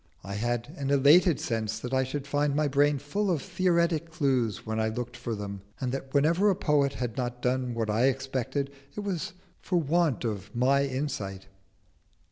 I had an elated sense that I should find my brain full of theoretic clues when I looked for them, and that wherever a poet had not done what I expected, it was for want of my insight.